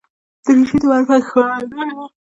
دریشي د معرفت ښکارندوی ده.